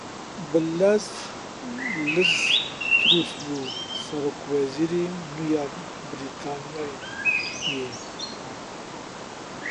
Bilez Liz Truss bû Serokwezîra nû ya Brîtanyayê.